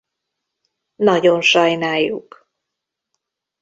Nagyon sajnáljuk.